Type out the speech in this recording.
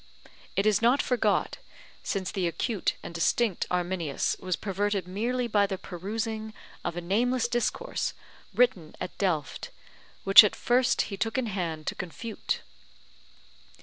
It is not forgot, since the acute and distinct Arminius was perverted merely by the perusing of a nameless discourse written at Delft, which at first he took in hand to confute.